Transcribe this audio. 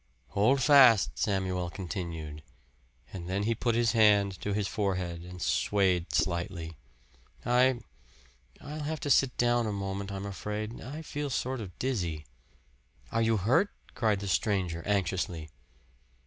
"Hold fast," Samuel continued; and then he put his hand to his forehead, and swayed slightly. "I I'll have to sit down a moment, I'm afraid. I feel sort of dizzy." "Are you hurt?" cried the stranger anxiously.